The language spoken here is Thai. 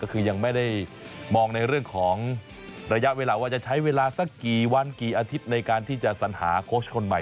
ก็คือยังไม่ได้มองในเรื่องของระยะเวลาว่าจะใช้เวลาสักกี่วันกี่อาทิตย์ในการที่จะสัญหาโค้ชคนใหม่